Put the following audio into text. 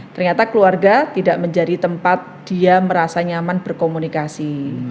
ternyata keluarga tidak menjadi tempat dia merasa nyaman berkomunikasi